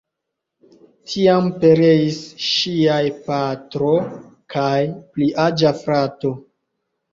Tiam pereis ŝiaj patro kaj pliaĝa frato.